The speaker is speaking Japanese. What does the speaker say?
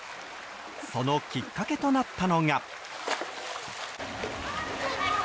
そのきっかけとなったのが。